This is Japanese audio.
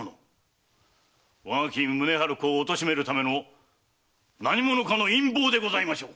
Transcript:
我が君・宗春公を貶めるための何者かの陰謀でございましょう！